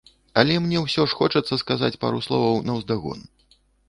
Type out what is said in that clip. Але мне ўсё ж хочацца сказаць пару словаў наўздагон.